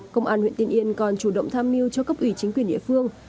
công an huyện tiên yên còn chủ động tham mưu cho cấp ủy chính quyền địa phương